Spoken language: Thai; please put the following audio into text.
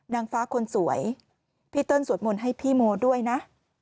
นางฟ้าคนสวยพี่เติ้ลสวดมนต์ให้พี่โมด้วยนะ